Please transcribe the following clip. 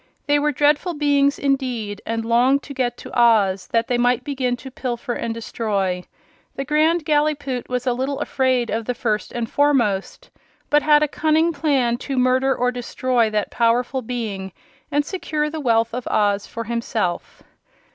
They were dreadful beings, indeed, and longed to get to Oz that they might begin to pilfer and destroy. The Grand Gallipoot was a little afraid of the First and Foremost, but had a cunning plan to murder or destroy that powerful being and secure the wealth of Oz for himself.